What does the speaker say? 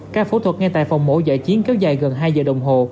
ca phẫu thuật ngay tại phòng mổ giải chiến kéo dài gần hai giờ đồng hồ